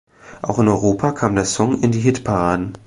Auch in Europa kam der Song in die Hitparaden.